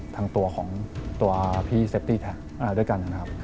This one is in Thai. ทางตัวของตัวพี่เซฟตี้แท็กด้วยกันนะครับ